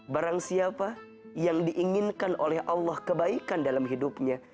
barang siapa yang diinginkan oleh allah kebaikan dalam hidupnya